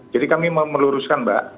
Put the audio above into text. jadi kami meluruskan mbak